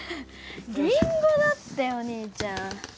りんごだってお兄ちゃん。